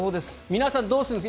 皆さんどうするんですか？